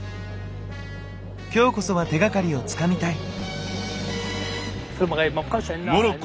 今日こそは手がかりをつかみたい。